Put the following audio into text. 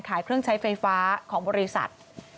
ขายเครื่องใช้ไฟฟ้าของบริษัท